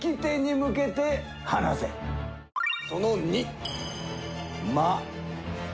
その２。